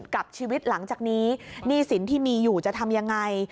กับชีวิตหลังจากนี้หนี้สินที่มีอยู่จะทำยังไง